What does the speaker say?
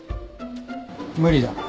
無理だな。